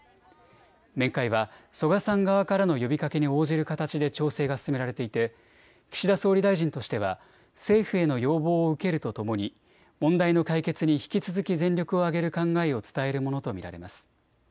面会は曽我さん側からの呼びかけに応じる形で調整が進められていて、岸田総理大臣としては政府への要望を受けるとともに問題の解決に引き続き全力を挙げる考えを伝えるものと見られます。